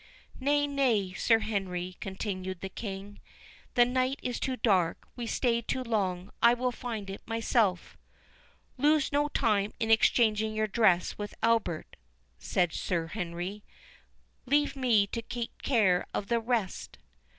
"Nay, nay, Sir Henry," continued the King, "the night is too dark—we stay too long—I will find it myself." "Lose no time in exchanging your dress with Albert," said Sir Henry—"leave me to take care of the rest."